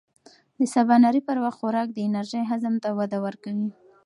د سباناري پر وخت خوراک د انرژۍ هضم ته وده ورکوي.